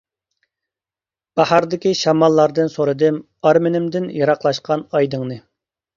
باھاردىكى شاماللاردىن سورىدىم، ئارمىنىمدىن يىراقلاشقان ئايدىڭنى.